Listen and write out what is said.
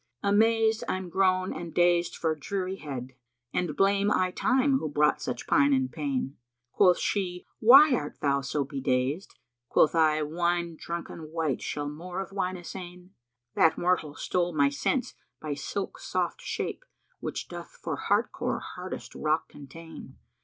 Amazed I'm grown and dazed for drearihead * And blame I Time who brought such pine and pain. Quoth she, 'Why art thou so bedazed!' quoth I * 'Wine drunken wight shall more of wine assain?' That mortal stole my sense by silk soft shape, * Which doth for heart core hardest rock contain.